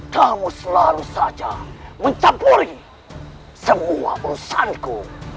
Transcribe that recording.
kamu selalu saja mencampuri semua urusanku